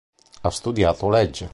Ha studiato legge.